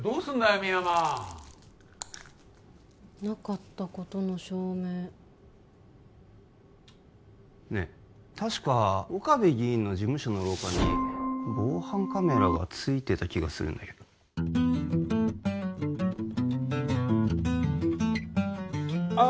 深山なかったことの証明ねえ確か岡部議員の事務所の廊下に防犯カメラがついてた気がするんだけどあっ